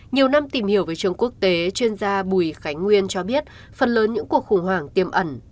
nhiều năm tìm hiểu về trường quốc tế chuyên gia bùi khánh nguyên cho biết phần lớn những cuộc khủng hoảng tiềm ẩn